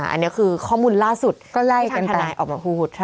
อันนี้คือข้อมูลล่าสุดที่ทางทนายออกมาพูด